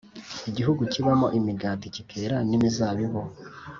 igihugu kibamo imigati kikera n’imizabibu.